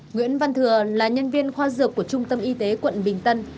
nguyễn văn thừa là nhân viên khoa dược của trung tâm y tế quận bình tân